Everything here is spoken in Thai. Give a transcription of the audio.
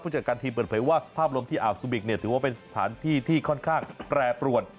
จากการทีมเปิดเผยว่าสภาพลมที่อ่าวซูบิกเนี่ยถือว่าเป็นสถานที่ที่ค่อนข้างแปรปรวน